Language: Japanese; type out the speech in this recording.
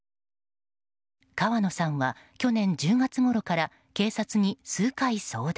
川野さんは去年１０月ごろから警察に数回相談。